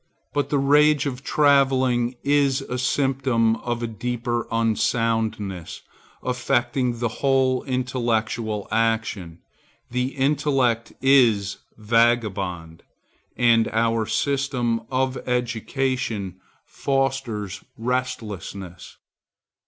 But the rage of travelling is a symptom of a deeper unsoundness affecting the whole intellectual action. The intellect is vagabond, and our system of education fosters restlessness.